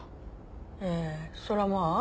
ええそりゃまあ